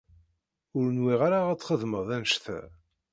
Ur nwiɣ ara ad txedmeḍ annect-a.